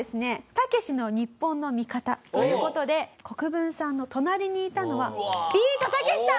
『たけしのニッポンのミカタ！』という事で国分さんの隣にいたのはビートたけしさん！